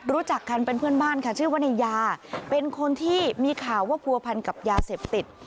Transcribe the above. รู้จักกันเป็นเพื่อนบ้านค่ะชื่อว่านายยาเป็นคนที่มีข่าวว่าผัวพันกับยาเสพติด